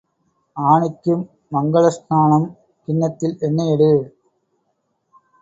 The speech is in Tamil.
ஆனைக்கு மங்கள ஸ்நானம் கிண்ணத்தில் எண்ணெய் எடு.